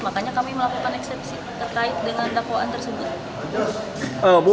makanya kami melakukan eksepsi terkait dengan dakwaan tersebut